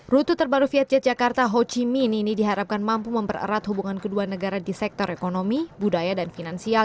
rute terbaru vietjet jakarta ho chi min ini diharapkan mampu mempererat hubungan kedua negara di sektor ekonomi budaya dan finansial